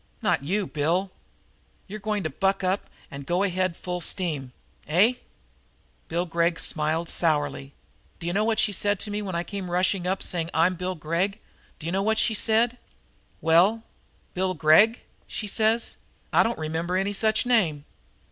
Not you, Bill! You're going to buck up and go ahead full steam. Eh?" Bill Gregg smiled sourly. "D'you know what she said when I come rushing up and saying: 'I'm Bill Gregg!' D'you know what she said?" "Well?" "'Bill Gregg?' she says. 'I don't remember any such name!'